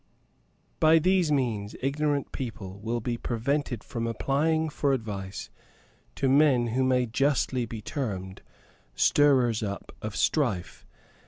By these means ignorant people will be prevented from applying for advice to men who may justly be termed stirrers up of strife.